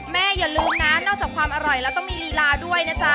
อย่าลืมนะนอกจากความอร่อยแล้วต้องมีลีลาด้วยนะจ๊ะ